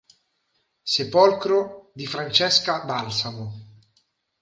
Sepolcro di Francesca Balsamo.